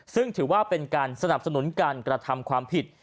ซึ่งถือว่าเป็นการสนับสนุนการกระทำความผิด